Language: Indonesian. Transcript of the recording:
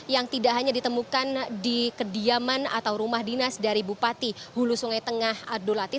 yang tidak hanya ditemukan di kediaman atau rumah dinas dari bupati hulu sungai tengah abdul latif